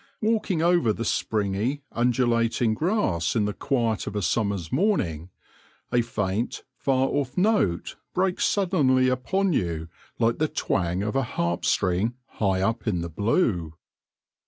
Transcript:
Walking over the springy, undulating grass in the quiet of a summer's morning, a faint, far off note breaks suddenly upon you like the twang of a harp string high up in the blue.